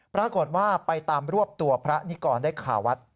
ปรากฏว่าไปตามรวบตัวพระนิกรได้คาวัด